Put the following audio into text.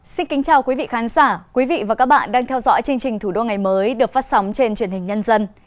xin kính chào quý vị khán giả quý vị và các bạn đang theo dõi chương trình thủ đô ngày mới được phát sóng trên truyền hình nhân dân